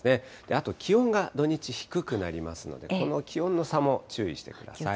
あと気温が土日、低くなりますので、この気温の差も注意してください。